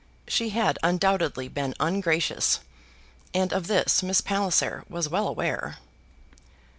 She had undoubtedly been ungracious, and of this Miss Palliser was well aware.